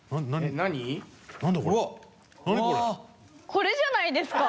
これじゃないですか？